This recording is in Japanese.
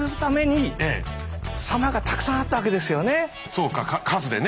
そうか数でね。